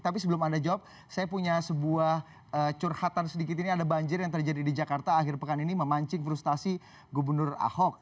tapi sebelum anda jawab saya punya sebuah curhatan sedikit ini ada banjir yang terjadi di jakarta akhir pekan ini memancing frustasi gubernur ahok